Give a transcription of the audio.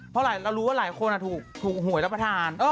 เพราะเรารู้ว่าหลายคนถูกหวยรับประทาน